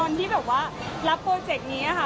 ที่แบบว่ารับโปรเจกต์นี้ค่ะ